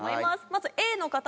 まずＡの方